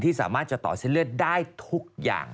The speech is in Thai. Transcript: สามารถจะต่อเส้นเลือดได้ทุกอย่าง